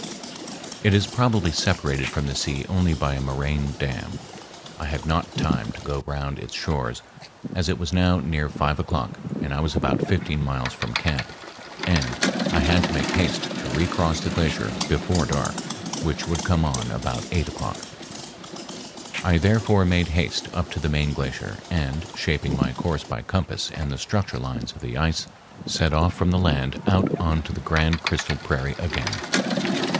It is probably separated from the sea only by a moraine dam. I had not time to go around its shores, as it was now near five o'clock and I was about fifteen miles from camp, and I had to make haste to recross the glacier before dark, which would come on about eight o'clock. I therefore made haste up to the main glacier, and, shaping my course by compass and the structure lines of the ice, set off from the land out on to the grand crystal prairie again.